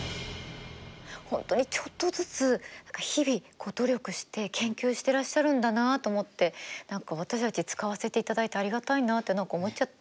本当にちょっとずつ日々努力して研究してらっしゃるんだなあと思って何か私たち使わせていただいてありがたいなって何か思っちゃった。